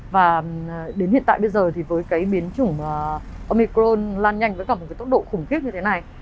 và đến hiện tại bây giờ với biến chủng omicron lan nhanh với tốc độ khủng khiếp như thế này